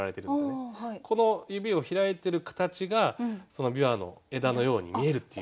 この指を開いてる形が枇杷の枝のように見えるっていう。